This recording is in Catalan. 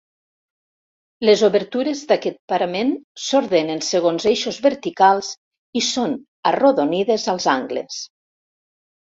Les obertures d'aquest parament s'ordenen segons eixos verticals i són arrodonides als angles.